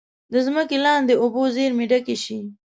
د ځمکې لاندې اوبو زیرمې ډکې شي.